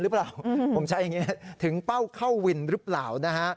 ว่าถึงเป้าเข้าวินหรือเปล่า